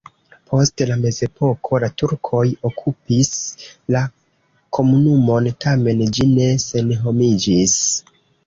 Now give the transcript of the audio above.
Post la mezepoko la turkoj okupis la komunumon, tamen ĝi ne senhomiĝis.